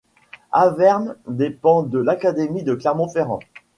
Avermes dépend de l'académie de Clermont-Ferrand.